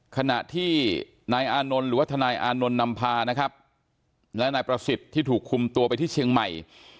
ขณะที่นายอานนท์หรือว่าทนายอานนท์นำพานะครับและนายประสิทธิ์ที่ถูกคุมตัวไปที่เชียงใหม่